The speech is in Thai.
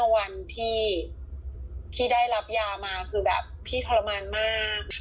วันที่พี่ได้รับยามาคือแบบพี่ทรมานมาก